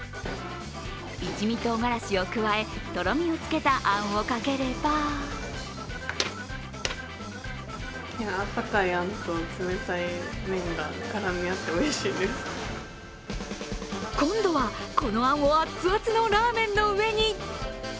一味唐辛子を加え、とろみをつけたあんをかければ今度は、このあんをアツアツのラーメンの上に。